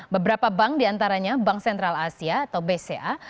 beberapa bank diantaranya bank sentral asia atau bca